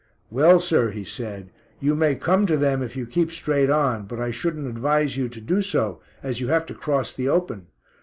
"Well, sir," he said, "you may come to them if you keep straight on, but I shouldn't advise you to do so as you have to cross the open.